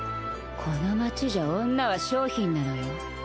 この街じゃ女は商品なのよ。